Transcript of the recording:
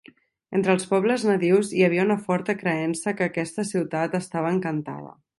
Entre els pobles nadius hi havia una forta creença que aquesta ciutat estava "encantada".